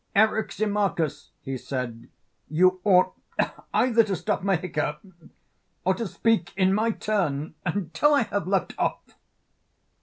Eryximachus, he said, you ought either to stop my hiccough, or to speak in my turn until I have left off.